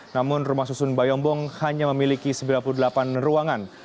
namun rumah susun bayombong hanya memiliki sembilan puluh delapan ruangan